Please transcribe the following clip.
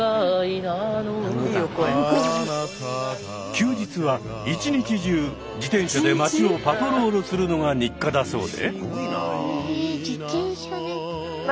休日は一日中自転車で街をパトロールするのが日課だそうで。